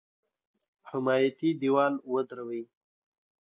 حمایتي دېوال ودروي.